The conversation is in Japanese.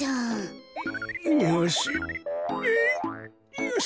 よし。